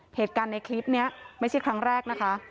เหตุการณ์ในคลิปนี้ไม่ใช่ครั้งแรกนะคะ